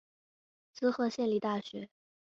滋贺县立大学